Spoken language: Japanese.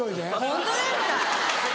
ホントですか？